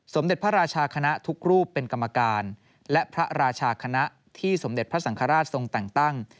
เด็จพระราชาคณะทุกรูปเป็นกรรมการและพระราชาคณะที่สมเด็จพระสังฆราชทรงแต่งตั้ง